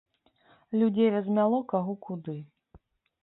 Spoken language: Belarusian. Людзей размяло каго куды.